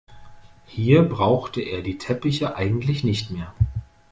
Hier brauchte er die Teppiche eigentlich nicht mehr.